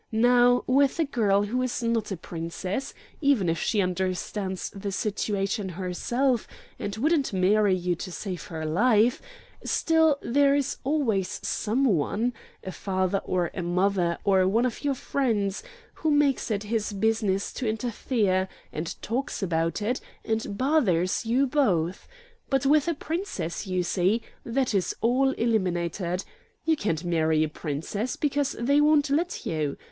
Now, with a girl who is not a Princess, even if she understands the situation herself, and wouldn't marry you to save her life, still there is always some one a father, or a mother, or one of your friends who makes it his business to interfere, and talks about it, and bothers you both. But with a Princess, you see, that is all eliminated. You can't marry a Princess, because they won't let you.